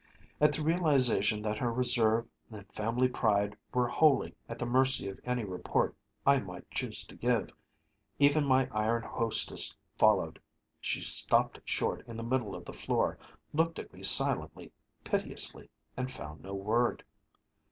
At the realization that her reserve and family pride were wholly at the mercy of any report I might choose to give, even my iron hostess faltered. She stopped short in the middle of the floor, looked at me silently, piteously, and found no word.